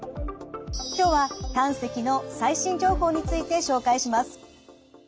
今日は胆石の最新情報について紹介します。